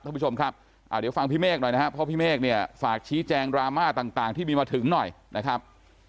ท่านผู้ชมครับเดี๋ยวฟังพี่เมฆหน่อยนะครับเพราะพี่เมฆเนี่ยฝากชี้แจงดราม่าต่างที่มีมาถึงหน่อยนะครับ